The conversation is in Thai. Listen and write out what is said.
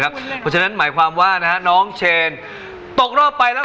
อย่ามาใช้คำว่าเรากะอา